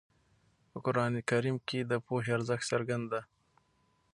په قرآن کې د پوهې ارزښت څرګند دی.